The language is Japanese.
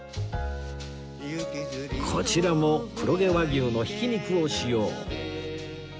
こちらも黒毛和牛のひき肉を使用